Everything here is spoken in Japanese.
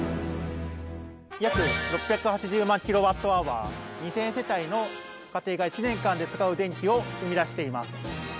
約６８０万ｋＷｈ２，０００世帯の家庭が１年間で使う電気を生み出しています。